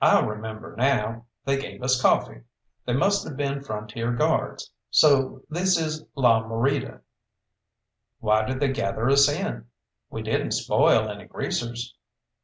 "I remember now. They gave us coffee. They must have been Frontier Guards so this is La Morita." "Why did they gather us in? We didn't spoil any greasers."